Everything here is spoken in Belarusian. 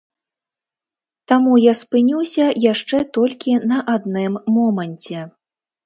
Таму я спынюся яшчэ толькі на адным моманце.